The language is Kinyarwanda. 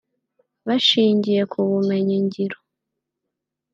bashingiye ku bumenyi ngiro